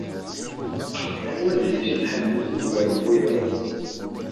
Anwa adlis i tḥemmlemt ugar n wiyaḍ?